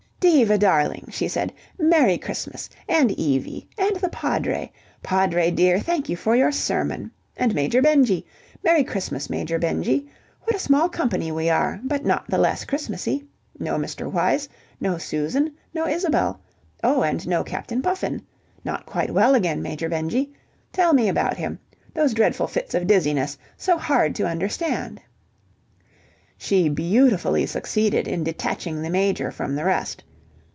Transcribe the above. "Diva, darling," she said. "Merry Christmas! And Evie! And the Padre. Padre, dear, thank you for your sermon! And Major Benjy! Merry Christmas, Major Benjy. What a small company we are, but not the less Christmassy. No Mr. Wyse, no Susan, no Isabel. Oh, and no Captain Puffin. Not quite well again, Major Benjy? Tell me about him. Those dreadful fits of dizziness. So hard to understand." She beautifully succeeded in detaching the Major from the rest.